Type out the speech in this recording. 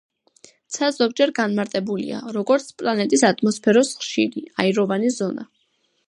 ცა ზოგჯერ განმარტებულია, როგორც პლანეტის ატმოსფეროს ხშირი, აიროვანი ზონა.